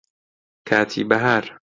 کاتی بەهار